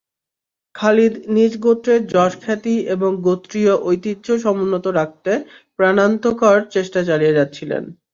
খালিদ নিজ গোত্রের যশ-খ্যাতি এবং গোত্রীয় ঐতিহ্য সমুন্নত রাখতে প্রাণান্তকর চেষ্টা চালিয়ে যাচ্ছিলেন।